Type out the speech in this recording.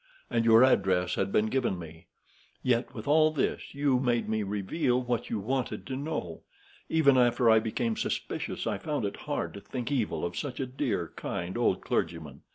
And your address had been given me. Yet, with all this, you made me reveal what you wanted to know. Even after I became suspicious, I found it hard to think evil of such a dear, kind old clergyman.